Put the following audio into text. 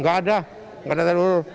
tidak ada tidak ada tarik urur